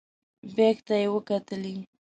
بیک ته یې وکتلې.